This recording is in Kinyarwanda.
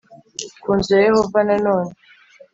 ku nzu ya Yehova Nanone